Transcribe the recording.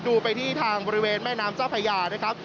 ดูไปที่ทางบริเวณแม่น้ำเจ้าพญานะครับ